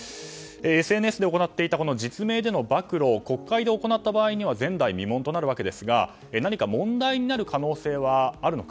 ＳＮＳで行っていた実名での暴露国会で行った場合には前代未聞となるわけですが何か問題になる可能性はあるのか。